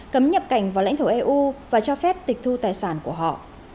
cấm nhập cảnh vào lãnh thổ eu và cho phép tịch thu tài sản của họ